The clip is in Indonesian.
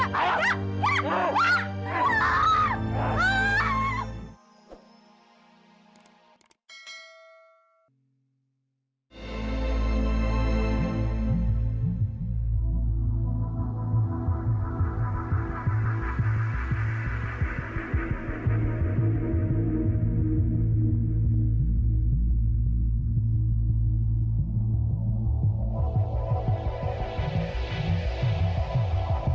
tidak tidak tidak